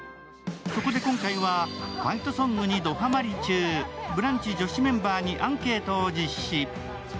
そこで今回は、「ファイトソング」にドハマり中、「ブランチ」女子メンバーにアンケートを実施。